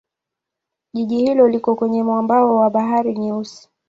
Jiji hilo liko kwenye mwambao wa Bahari Nyeusi.